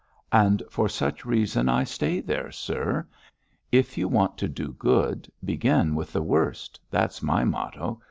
'And for such reason I stay there, sir. If you want to do good begin with the worst; that's my motto.